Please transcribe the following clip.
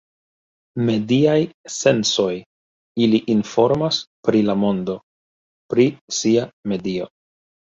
Mediaj sensoj, ili informas pri la mondo; pri sia medio.